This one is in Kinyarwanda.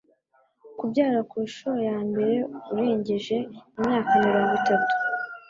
kubyara ku nshuro ya mbere urengeje imyaka mirongo itatu